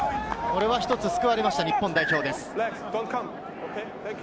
これは救われました、日本です。